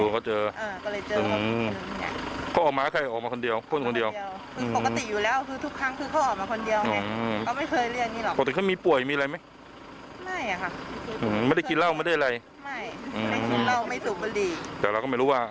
เขาจะมีแหน่มเนี่ยงกันแบบเวลาตากแดดลงมา